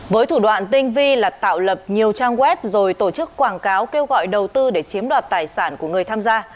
với thủ đoạn tinh vi là tạo lập nhiều trang web rồi tổ chức quảng cáo kêu gọi đầu tư để chiếm đoạt tài sản của người tham gia